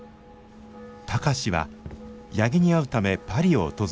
貴司は八木に会うためパリを訪れました。